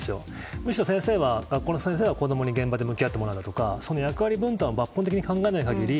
むしろ学校の先生は子供に対して現場で向き合ってもらうとか役割分担を抜本的に考えない限り